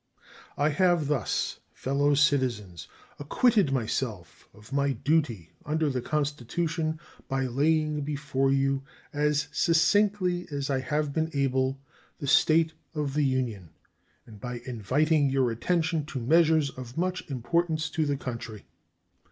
I have thus, fellow citizens, acquitted myself of my duty under the Constitution by laying before you as succinctly as I have been able the state of the Union and by inviting your attention to measures of much importance to the country.